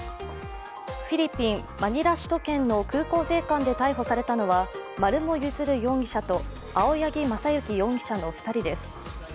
フィリピン・マニラ首都圏の空港税関で逮捕されたのは丸茂譲容疑者と青柳政行容疑者の２人です。